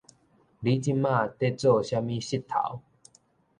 你這馬咧做啥物穡頭？